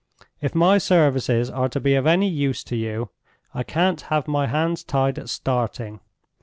If my services are to be of any use to you, I can't have my hands tied at starting.